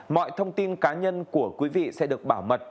mọi thông tin cá nhân của quý vị sẽ được bảo mật